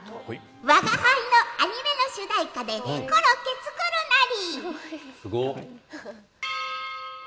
わがはいのアニメの主題歌でコロッケ作るナリ！